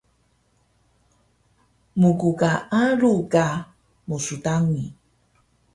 Mggaalu ka msdangi